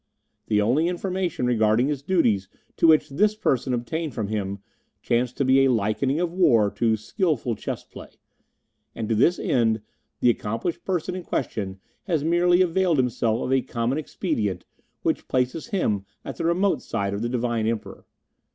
"The only information regarding his duties which this person obtained from him chanced to be a likening of war to skilful chess play, and to this end the accomplished person in question has merely availed himself of a common expedient which places him at the remote side of the divine Emperor.